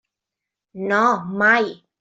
No, mai.